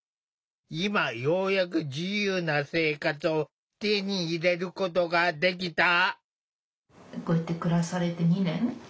今ようやく自由な生活を手に入れることができた。